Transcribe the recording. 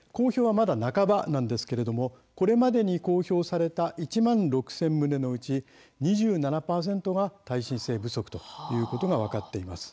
まだ半ばなんですがこれまでに公表された１万６０００棟のうち２７％が耐震性不足ということが分かっていいます。